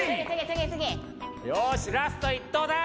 よしラスト１投だ！